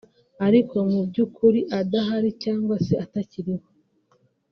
ariko mu by’ukuri adahari cyangwa se atakiriho